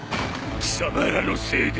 貴様らのせいで！